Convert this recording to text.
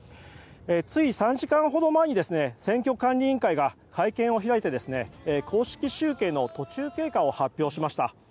つい３時間ほど前に選挙管理委員会が会見を開いて公式集計の途中経過を発表しました。